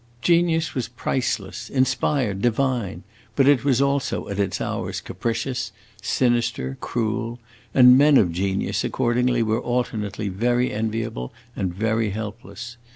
Genius was priceless, inspired, divine; but it was also, at its hours, capricious, sinister, cruel; and men of genius, accordingly, were alternately very enviable and very helpless.